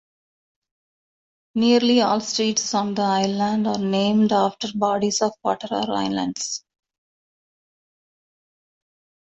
Nearly all streets on the island are named after bodies of water or islands.